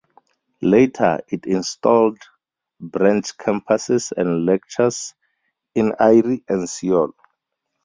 Later, it installed branch campuses and lectures in Iri and Seoul.